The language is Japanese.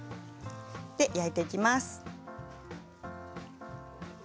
焼いていきます。